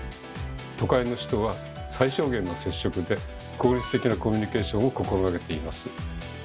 都会の人は最小限の接触で効率的なコミュニケーションを心がけています。